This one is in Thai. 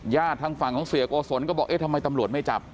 ย่าทั้งฝั่งเขาเสียโกสนก็บอกเอ๊ะทำไมตำรวจไม่จับ